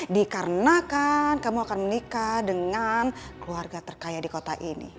dikarenakan kamu akan menikah dengan keluarga terkaya di kota ini